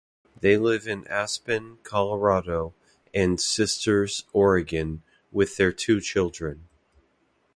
They live in Aspen, Colorado and Sisters, Oregon with their two children.